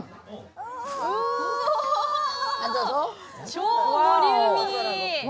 超ボリューミー。